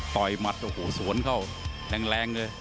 หมัดโอ้โหสวนเข้าแรงเลย